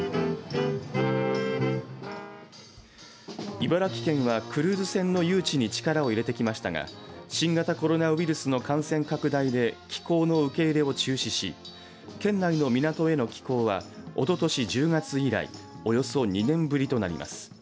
茨城県はクルーズ船の誘致に力を入れてきましたが新型コロナウイルスの感染拡大で寄港の受け入れを中止し県内の港への寄港はおととし１０月以来およそ２年ぶりとなります。